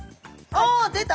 あっ出た！